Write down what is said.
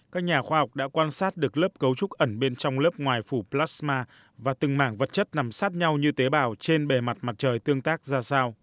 các nhà khoa học đã quan sát được lớp cấu trúc ẩn bên trong lớp ngoài phủ plasma và từng mảng vật chất nằm sát nhau như tế bào trên bề mặt mặt trời tương tác ra sao